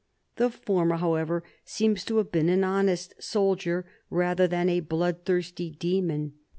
The former, however, seems to have been an honest soldier rather than a bloodthirsty demon.